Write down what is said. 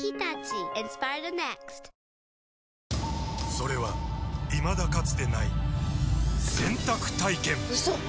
それはいまだかつてない洗濯体験‼うそっ！